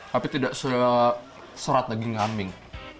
tapi tidak serat daging kambing